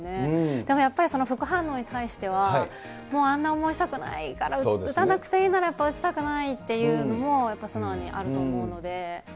でもやっぱり、副反応に対しては、もうあんな思いしたくないから打たなくていいなら、やっぱり打ちたくないっていうのもやっぱり素直にあると思うので。